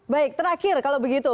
baik terakhir kalau begitu